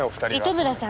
糸村さん。